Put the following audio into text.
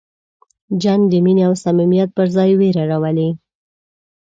جنګ د مینې او صمیمیت پر ځای وېره راولي.